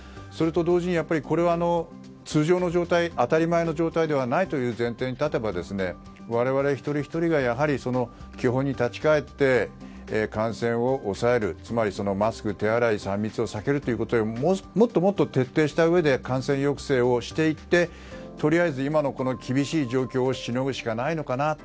それと同時に、これは通常の状態当たり前の状態ではないという前提に立てば我々一人ひとりがやはり、基本に立ち返って感染を抑えるつまりマスク、手洗い３密を避けるということをもっともっと徹底したうえで感染抑制をしていってとりあえず今の厳しい状況をしのぐしかないのかな。